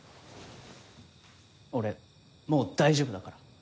俺もう大丈夫だから。